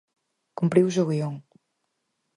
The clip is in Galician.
Cumpriuse o guión.